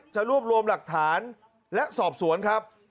จะรวบรวมหลักฐานและสอบสวนครับ